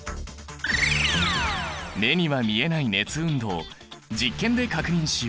目には見えない熱運動実験で確認しよう！